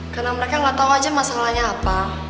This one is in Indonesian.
karena mereka gak tau aja masalahnya apa